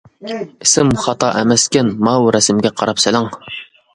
ئىسىم خا. خاتا ئەمەسكەن، ماۋۇ رەسىمگە قاراپ سېلىڭ.